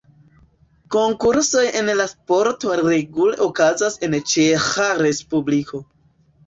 Konkursoj en la sporto regule okazas en Ĉeĥa respubliko.